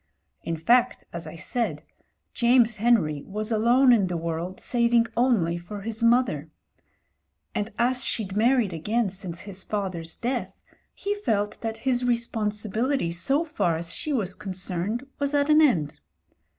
In fact, as I said, James Henry was alone in the world saving only for his mother : and as she'd married again since his father's death he felt that his responsibility so far as she was concerned was at an end.